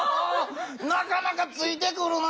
なかなかついてくるな。